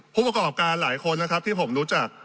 ผู้ประกอบการหลายคนนะครับที่ผมรู้จัก